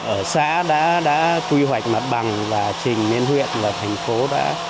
ở xã đã quy hoạch mặt bằng và trình lên huyện và thành phố đã